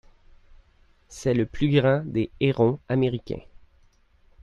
C'est le plus grand des hérons américains.